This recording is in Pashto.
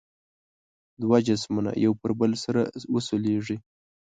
دوه جسمونه یو پر بل سره وسولیږي.